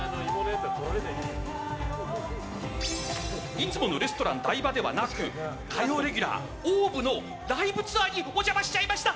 いつものレストラン台場ではなく火曜レギュラーのＯＷＶのライブツアーにお邪魔しちゃいました！